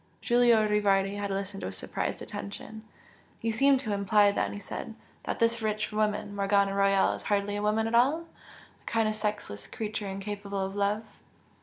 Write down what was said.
Giulio Rivardi had listened with surprised attention. "You seem to imply then" he said "that this rich woman, Morgana Royal, is hardly a woman at all? a kind of sexless creature incapable of love?"